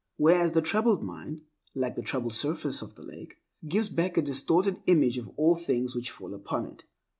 Whereas, the troubled mind, like the troubled surface of the lake, gives back a distorted image of all things which fall upon it.